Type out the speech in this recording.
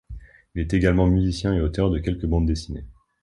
Il est également musicien et auteur de quelques bandes dessinées.